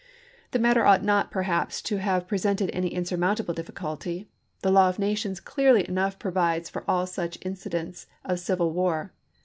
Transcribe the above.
The matter ought not perhaps to have pre sented any insurmountable difficulty; the law of nations clearly enough provides for all such inci dents of civil war.